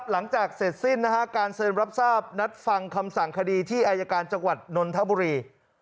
หลังจากเสร็จสิ้นการเซ็นรับทราบนัดฟังคำสั่งคดีที่อายการจังหวัดนนทบุรี